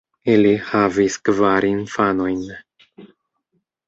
Ili havis kvar infanojn.